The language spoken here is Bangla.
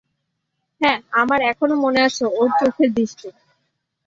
হ্যাঁ, আমার এখনও মনে আছে ওর চোখের দৃষ্টি।